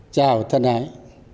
chào thân hãi